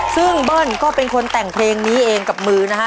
ซึ่งเบิ้ลก็เป็นคนแต่งเพลงนี้เองกับมือนะฮะ